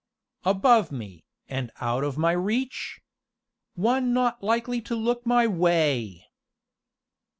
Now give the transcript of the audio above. Above me, and out of my reach! One not likely to look my way!